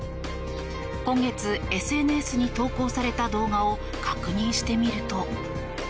今月ＳＮＳに投稿された動画を確認してみると。